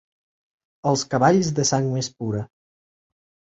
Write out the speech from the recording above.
Els cavalls de sang més pura.